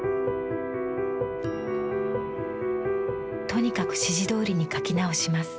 とにかく指示どおりに描き直します。